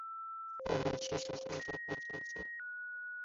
成化十七年辛丑科进士。